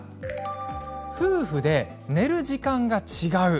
夫婦で寝る時間が違う。